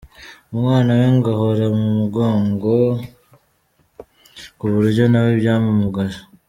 Umwana we ngo ahora mu mugongo ku buryo nawe byamumugaje.